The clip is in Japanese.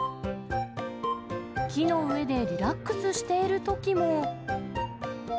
木の上でリラックスしているときも。